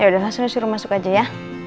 yaudah langsung disuruh masuk aja ya